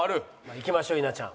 いきましょう稲ちゃん。